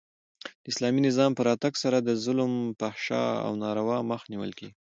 د اسلامي نظام په راتګ سره د ظلم، فحشا او ناروا مخ نیول کیږي.